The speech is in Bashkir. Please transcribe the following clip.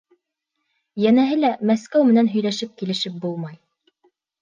Йәнәһе лә, Мәскәү менән һөйләшеп-килешеп булмай!